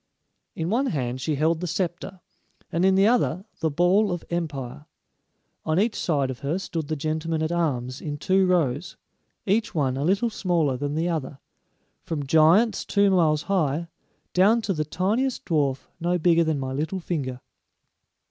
In one hand she held the scepter, and in the other the ball of empire. On each side of her stood the gentlemen at arms in two rows, each one a little smaller than the other, from giants two miles high, down to the tiniest dwarf no bigger than my little finger.